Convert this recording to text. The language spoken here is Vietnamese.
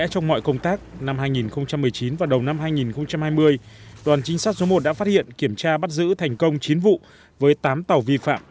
trong mọi công tác năm hai nghìn một mươi chín và đầu năm hai nghìn hai mươi đoàn chính sát số một đã phát hiện kiểm tra bắt giữ thành công chín vụ với tám tàu vi phạm